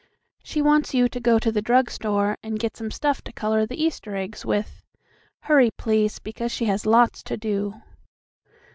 "She wants you to go to the drug store and get some stuff to color the Easter eggs with. Hurry, please, because she has lots to do."